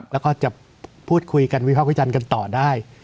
แล้วก็จะพูดคุยกันวิภาควิจารณ์กันต่อได้